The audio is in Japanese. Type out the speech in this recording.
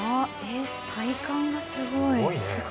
体幹がすごい。